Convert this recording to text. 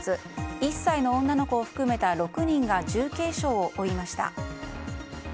１歳の女の子を含めた６人が重軽傷を負いました。